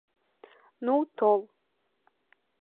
Ну, тол!